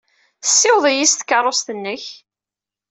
Ssiweḍ-iyi s tkeṛṛust-nnek.